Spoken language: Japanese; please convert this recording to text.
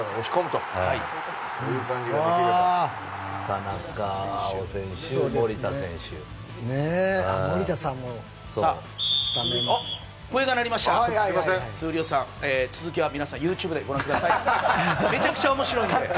闘莉王さん、続きは皆さんＹｏｕｔｕｂｅでご覧ください。